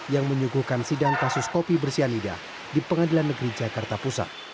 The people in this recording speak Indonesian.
yang menyuguhkan sidang kasus kopi bersianida di pengadilan negeri jakarta pusat